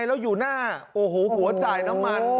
แล้วอยู่หน้าโอ้โหหัวจ่ายน้ำมัน